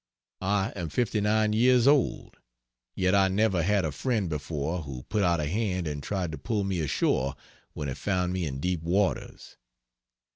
I am 59 years old; yet I never had a friend before who put out a hand and tried to pull me ashore when he found me in deep waters.